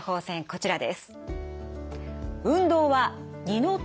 こちらです。